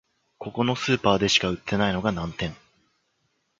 ここのスーパーでしか売ってないのが難点